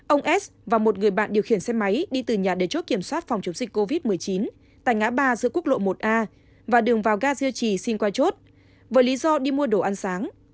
ông s và một người bạn điều khiển xe máy đi từ nhà để chốt kiểm soát phòng chống dịch covid một mươi chín tại ngã ba giữa quốc lộ một a và đường vào ga diêu trì xin qua chốt với lý do đi mua đồ ăn sáng